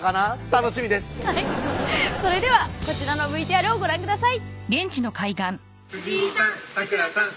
楽しみですそれではこちらのＶＴＲをご覧ください